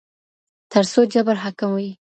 تر څو جبر حاکم وي